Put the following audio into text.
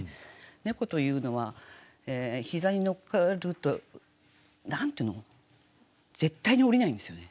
猫というのは膝に乗っかると何て言うの絶対に下りないんですよね。